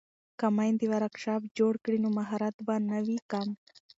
که میندې ورکشاپ جوړ کړي نو مهارت به نه وي کم.